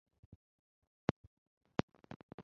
本表尚不包括旧税关。